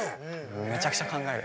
めちゃくちゃ考える。